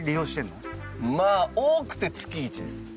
まあ多くて月１です。